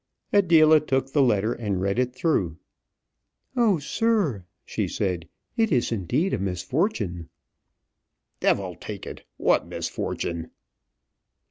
Adela took the letter, and read it through. "Oh, sir," she said, "it is indeed a misfortune." "Devil take it! what misfortune?"